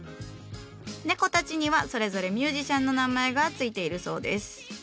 猫たちにはそれぞれミュージシャンの名前が付いているそうです。